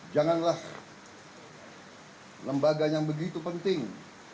janganlah lembaga yang begitu penting